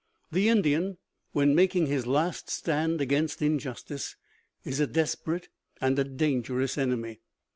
The Indian, when making his last stand against injustice, is a desperate and a dangerous enemy.